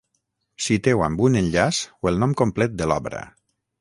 Citeu amb un enllaç o el nom complet de l'obra.